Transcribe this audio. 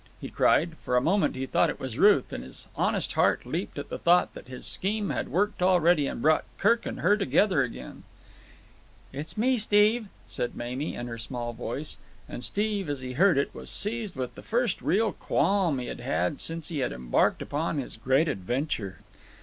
he cried. For a moment he thought it was Ruth, and his honest heart leaped at the thought that his scheme had worked already and brought Kirk and her together again. "It's me, Steve," said Mamie in her small voice. And Steve, as he heard it, was seized with the first real qualm he had had since he had embarked upon his great adventure.